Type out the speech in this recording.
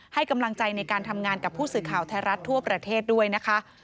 ให้กำลังใจในการทำงานกับผู้สื่อข่าวไทยรัฐทั่วประเทศด้วยนะคะ